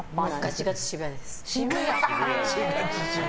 ガチガチ、渋谷です。